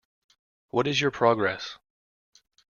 What is your progress?